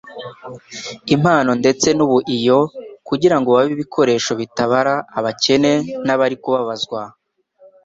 impano ndetse n'ubuiyo kugira ngo babe ibikoresho bitabara abakene n'abari kubabazwa.